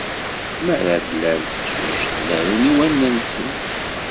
Mi ara d-tlal d teqcict, berrun i wallen-nsen.